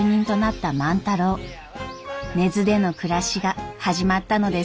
根津での暮らしが始まったのです。